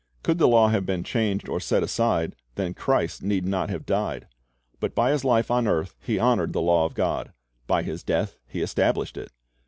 Could the law have been changed or set aside, then Christ need not have died. By His life on earth He honored the law of God. By His death He established it.